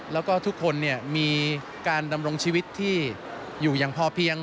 แล้วก็ทุกคนมีการดำรงชีวิตที่อยู่อย่างพอเพียง